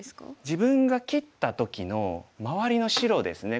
自分が切った時の周りの白ですね。